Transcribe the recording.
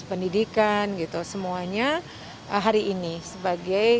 pendidikan gitu semuanya hari ini sebagai